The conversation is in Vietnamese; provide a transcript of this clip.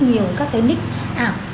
nhiều các cái nick ảo